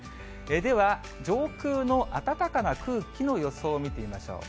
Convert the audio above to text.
では上空の暖かな空気の予想を見てみましょう。